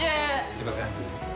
すいません。